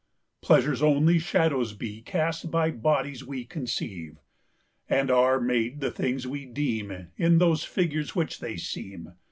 Pleasures only shadows be, Cast by bodies we conceive, And are made the things we deemIn those figures which they seem.